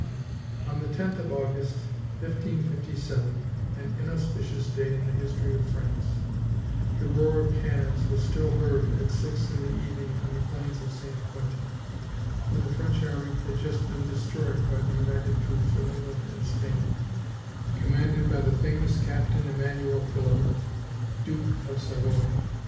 On the 10th of, August 1557, an inauspicious day in the history of France, the roar of cannon was still heard at six in the evening in the plains of St. Quentin; where the French army had just been destroyed by the united troops of England and Spain, commanded by the famous Captain Emanuel Philibert, Duke of Savoy.